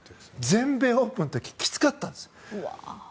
全米オープンの時きつかったんです。